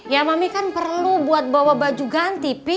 ya mami kan perlu buat bawa baju ganti pi